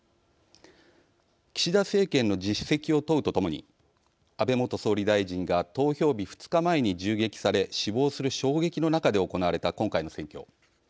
岸田政権の実績を問うとともに安倍元総理大臣が投票日２日前に銃撃され死亡する衝撃の中で行われた今回の選挙。